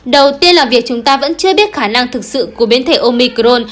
đầu tiên là việc chúng ta vẫn chưa biết khả năng thực sự của biến thể omicron